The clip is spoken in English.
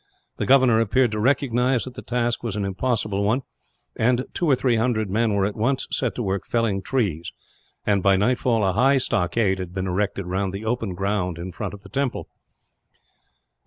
The governor appeared to recognize that the task was an impossible one; and two or three hundred men were at once set to work felling trees and, by nightfall, a high stockade had been erected round the open ground in front of the temple.